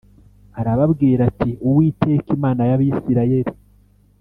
Arababwira ati Uwiteka Imana y Abisirayeli